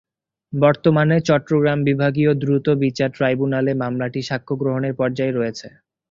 বর্তমানে চট্টগ্রাম বিভাগীয় দ্রুত বিচার ট্রাইব্যুনালে মামলাটি সাক্ষ্য গ্রহণের পর্যায়ে রয়েছে।